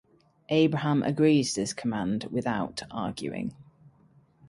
Abraham agrees to this command without arguing.